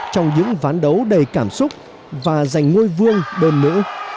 trong những ván đấu đầy cảm xúc và giành ngôi vương đơn nữ